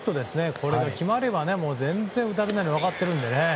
これば決まれば全然打たれないと分かっているので。